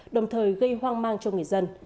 đồng thời gây hoang mang cho người dân